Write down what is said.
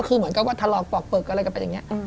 คือเหมือนกับว่าถลอกปอกปึกอะไรกันไปอย่างนี้